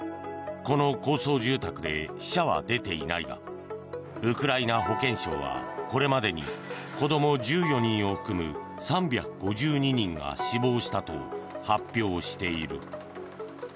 この高層住宅で死者は出ていないがウクライナ保健省はこれまでに子供１４人を含む３５２人が死亡したと発表している。